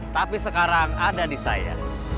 tapi sekarang ada di saya